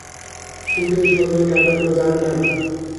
সুখে সময় কাটানো যার নাম।